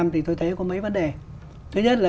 thì tôi thấy có mấy vấn đề thứ nhất là